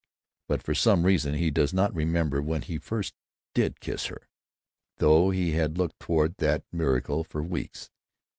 But, for some reason, he does not remember when he did first kiss her, though he had looked forward to that miracle for weeks.